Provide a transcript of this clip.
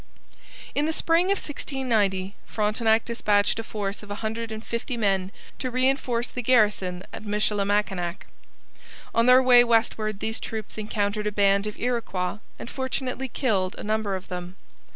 In the spring of 1690 Frontenac dispatched a force of a hundred and fifty men to reinforce the garrison at Michilimackinac. On their way westward these troops encountered a band of Iroquois and fortunately killed a number of them.